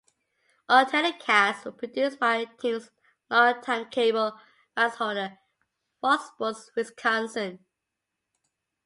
All telecasts were produced by the team's longtime cable rights holder, Fox Sports Wisconsin.